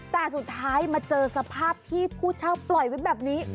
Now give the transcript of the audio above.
แต่สุดท้ายมาเจอสภาพที่ผู้เช่าปล่อยไว้แบบนี้